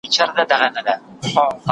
زه پرون کالي وچوم وم!؟